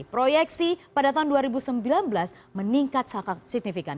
proyeksi pada tahun dua ribu sembilan belas meningkat sangat signifikan